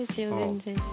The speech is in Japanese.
全然。